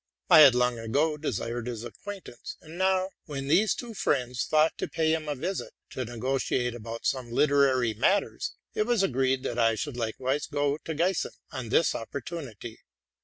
I had long ago desired his acquaintance ; and now, when these two friends thought to pay him a visit, to negotiate about some literary matters, it was agreed that I should likewise 20 to Giessen on this opportunity.